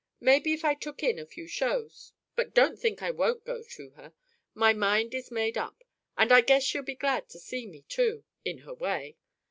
Maybe if I took in a few shows but don't think I won't go to her. My mind is made up. And I guess she'll be glad to see me, too. In her way.